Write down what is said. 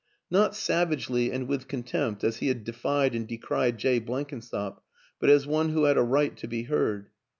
Not savagely and with contempt, as he had defied and decried Jay Blenkinsop, but as one who had a right to be heard.